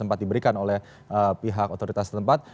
tempat diberikan oleh pihak otoritas tempat